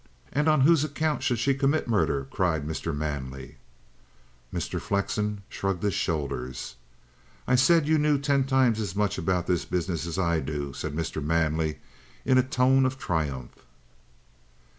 "And on whose account should she commit murder?" cried Mr. Manley. Mr. Flexen shrugged his shoulders. "I said you knew ten times as much about the business as I do," said Mr. Manley in a tone of triumph.